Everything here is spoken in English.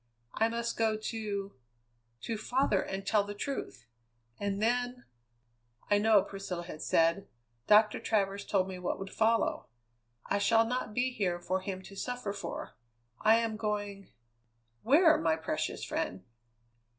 I must go to to father and tell the truth, and then " "I know," Priscilla had said. "Doctor Travers told me what would follow. I shall not be here for him to suffer for; I am going " "Where, my precious friend?"